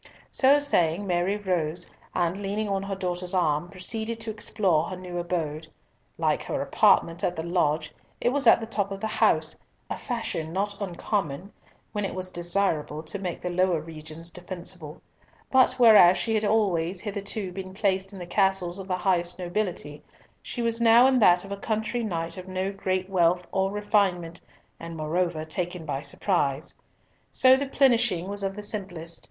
So saying Mary rose, and leaning on her daughter's arm, proceeded to explore her new abode. Like her apartment at the Lodge, it was at the top of the house, a fashion not uncommon when it was desirable to make the lower regions defensible; but, whereas she had always hitherto been placed in the castles of the highest nobility, she was now in that of a country knight of no great wealth or refinement, and, moreover, taken by surprise. So the plenishing was of the simplest.